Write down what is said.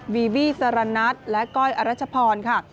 บีบี้สารนัทและก้อยอรัชพรค่ะ